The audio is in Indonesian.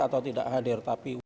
atau tidak hadir